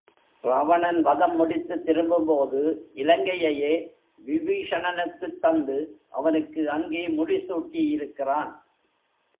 ராவணன் வதம் முடித்துத் திரும்பும்போது, இலங்கையையே விபீஷணனுக்குத் தந்து அவனுக்கு அங்கே முடிசூட்டியிருக்கிறான்.